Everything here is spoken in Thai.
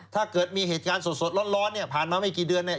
ถ้าเกิดมีเหตุการณ์สดร้อนเนี่ยผ่านมาไม่กี่เดือนเนี่ย